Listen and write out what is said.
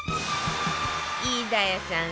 飯田屋さん